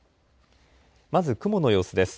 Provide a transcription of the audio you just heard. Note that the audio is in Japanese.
まず雲の様子です。